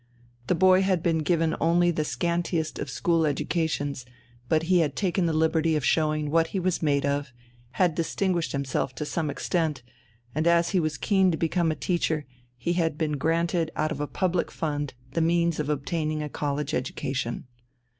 The boy had been given only the scantiest of school educations, but he had taken the liberty of showing what he was made of, had distinguished himself to some extent, and as he was keen to become a teacher, he had been granted out of a public fund the means of obtaining a college education.